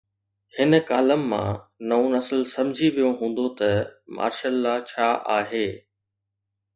هن ڪالم مان نئون نسل سمجهي ويو هوندو ته مارشل لا ڇا آهي.